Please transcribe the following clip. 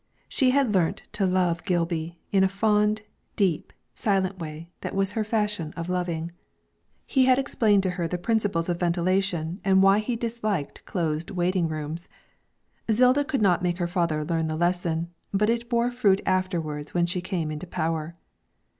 She had learnt to love little Gilby in a fond, deep, silent way that was her fashion of loving. He had explained to her the principles of ventilation and why he disliked close waiting rooms. Zilda could not make her father learn the lesson, but it bore fruit afterwards when she came into power.